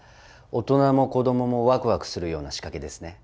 大人も子供もワクワクするような仕掛けですね。